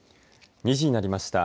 ２時になりました。